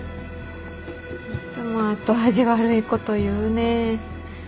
いつも後味悪いこと言うね。